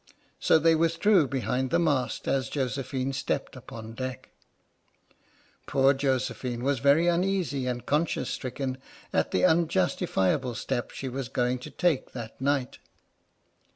So they withdrew behind the mast, as Josephine stepped upon deck. Poor Josephine was very uneasy and conscience 93 H.M.S. "PINAFORE" stricken at the unjustifiable step she was going to take that night.